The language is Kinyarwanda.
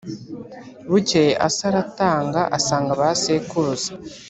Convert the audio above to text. Bukeye Asa aratanga asanga ba sekuruza,